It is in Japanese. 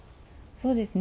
そうですね。